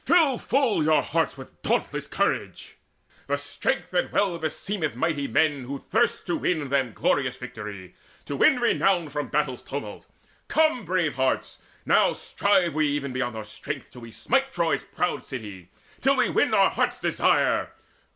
fill full your hearts with dauntless strength, The strength that well beseemeth mighty men Who thirst to win them glorious victory, To win renown from battle's tumult! Come, Brave hearts, now strive we even beyond our strength Till we smite Troy's proud city, till we win Our hearts' desire!